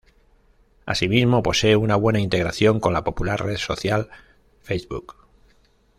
Asimismo, posee una buena integración con la popular red social Facebook.